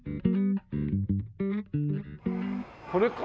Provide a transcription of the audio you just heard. これか？